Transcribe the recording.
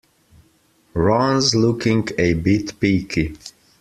Ron's looking a bit peaky.